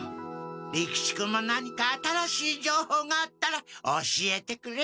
利吉君も何かあたらしいじょうほうがあったら教えてくれ。